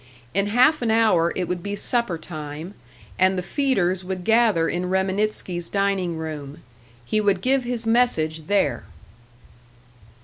In half an hour it would be supper time, and the feeders would gather in Reminitsky's dining room. He would give his message there!